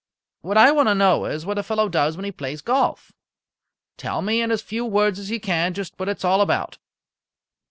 "What I want to know is what a fellow does when he plays golf. Tell me in as few words as you can just what it's all about."